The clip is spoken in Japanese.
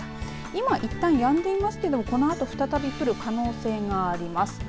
今いったんやんでいますけどもこのあと再び降る可能性があります。